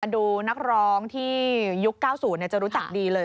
ดูนักร้องที่ยุค๙๐จะรู้จักดีเลย